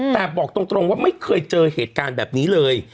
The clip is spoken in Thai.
แต่บอกตรงว่าไม่เคยเจอเหตุการณ์แบบนี้เลย